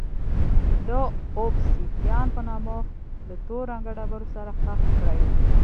د اوبسیدیان په نامه له تور رنګه ډبرو سره ښخ کړي.